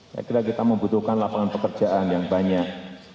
saya kira kita membutuhkan lapangan pekerjaan yang banyak